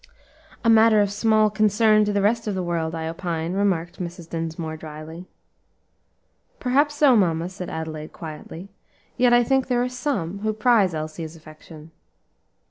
"A matter of small concern to the rest of the world, I opine," remarked Mrs. Dinsmore, dryly. "Perhaps so, mamma," said Adelaide, quietly; "yet I think there are some who prize Elsie's affection."